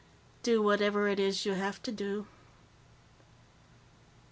Do whatever it is you have to do."